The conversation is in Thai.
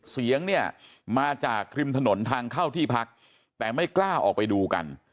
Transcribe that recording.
เสียงเนี่ยมาจากริมถนนทางเข้าที่พักแต่ไม่กล้าออกไปดูกัน